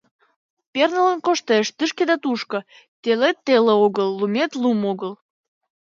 Пернылын коштеш тышке да тушко — телет теле огыл, лумет лум огыл.